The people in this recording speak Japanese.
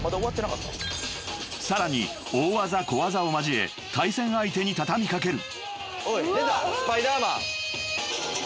［さらに大技小技を交え対戦相手に畳み掛ける］